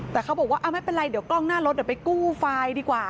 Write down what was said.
แต่เขาบอกว่าไม่เป็นไรเดี๋ยวกล้องหน้ารถเดี๋ยวไปกู้ไฟล์ดีกว่า